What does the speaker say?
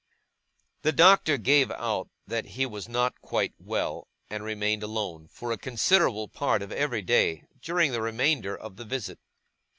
The Doctor gave out that he was not quite well; and remained alone, for a considerable part of every day, during the remainder of the visit.